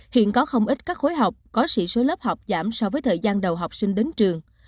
hiện có không ít các khối học có sĩ số lớp học giảm so với thời gian đầu học sinh đến trường